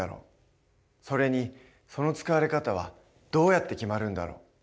それにその使われ方はどうやって決まるんだろう？